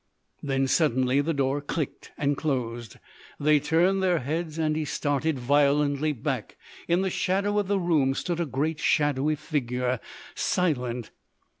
Then suddenly the door clicked and closed. They turned their heads, and he started violently back. In the shadow of the room stood a great shadowy figure silent.